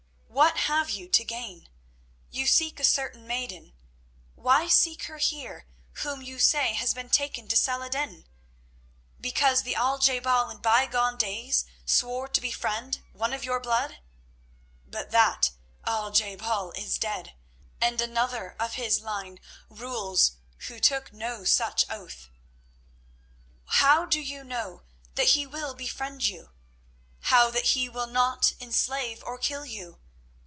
What have you to gain? You seek a certain maiden. Why seek her here whom you say has been taken to Salah ed din? Because the Al je bal in bygone days swore to befriend one of your blood. But that Al je bal is dead, and another of his line rules who took no such oath. How do you know that he will befriend you—how that he will not enslave or kill you?